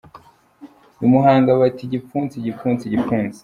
I Muhanga bati "Igipfunsi, igipfunsi, igipfunsi".